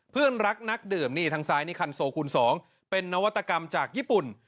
เพื่อนรักนักดื่มนี่ทางซ้ายนี่คันโซคูณ๒เป็นนวัตกรรมจากญี่ปุ่น